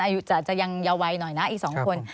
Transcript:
อายุจะยังเยาว์ไว้หน่อยนะอีกสองคน